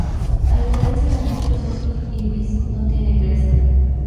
A diferencia de muchos otros ibis no tiene cresta.